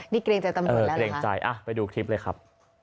นี่เกรงใจตำรวจแล้วเกรงใจไปดูคลิปเลยครับ